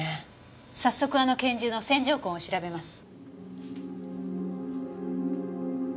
早速あの拳銃の線条痕を調べます。